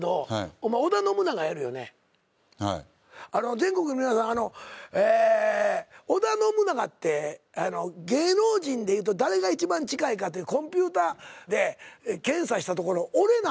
全国の皆さん織田信長って芸能人でいうと誰が一番近いかというコンピューターで検査したところ俺なのよ。